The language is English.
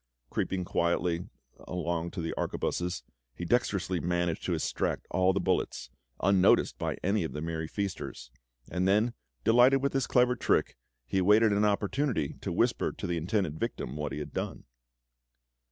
Creeping quietly along to the arquebuses, he dexterously managed to extract all the bullets, unnoticed by any of the merry feasters; and then, delighted with his clever trick, he awaited an opportunity to whisper to the intended victim what he had done.